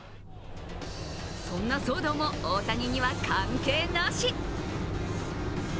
そんな騒動も、大谷には関係なし。